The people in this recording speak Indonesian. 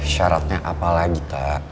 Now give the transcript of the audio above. syaratnya apa lagi tak